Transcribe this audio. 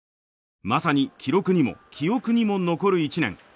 まさに記録にも記憶にも残る１年。